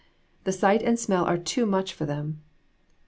The sight and smell are too much for them."